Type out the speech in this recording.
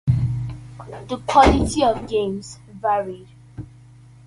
The quality of the games varied.